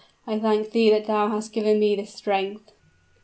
I thank thee that thou hast given me this strength!"